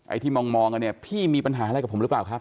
ที่มองกันเนี่ยพี่มีปัญหาอะไรกับผมหรือเปล่าครับ